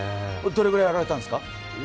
どれくらいやられたんですか？